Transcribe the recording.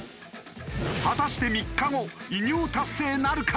果たして３日後偉業達成なるか！？